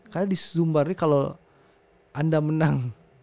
karena di sumber ini kalau anda menang